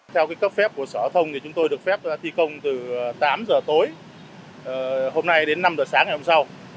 theo cấp phép của sở thông thì chúng tôi được phép thi công từ tám giờ tối hôm nay đến năm h sáng ngày hôm sau